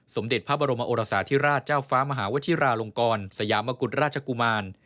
สมเด็จพระบรมโอรสาธิราชเจ้าฟ้ามหาวชิราลงกรสยามกุฎราชกุมาร